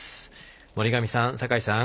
森上さん、酒井さん